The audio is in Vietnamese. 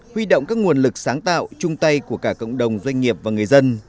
huy động các nguồn lực sáng tạo chung tay của cả cộng đồng doanh nghiệp và người dân